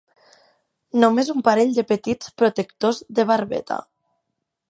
Només un parell de petits protectors de barbeta.